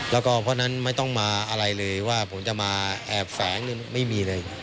แล้วก็เพราะฉะนั้นไม่ต้องมาอะไรเลยว่าผมจะมาแอบแฝงไม่มีเลย